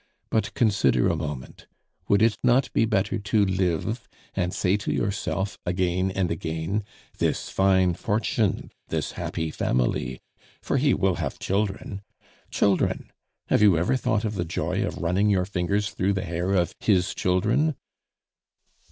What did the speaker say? "But consider a moment. Would it not be better to live and say to yourself again and again 'This fine fortune, this happy family' for he will have children children! Have you ever thought of the joy of running your fingers through the hair of his children?"